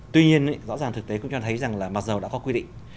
tuy nhiên rõ ràng thực tế cũng cho thấy rằng là mặt dầu đã có quy định